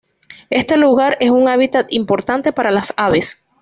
Este lugar es un hábitat importante para las aves.